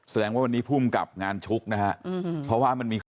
แสดงว่าวันนี้ภูมิกับงานชุกนะฮะเพราะว่ามันมีคลิป